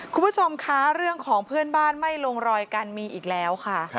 คุณผู้ชมคะเรื่องของเพื่อนบ้านไม่ลงรอยกันมีอีกแล้วค่ะ